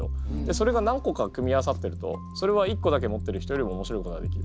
それが何個か組み合わさってるとそれは一個だけ持ってる人よりもおもしろいことができる。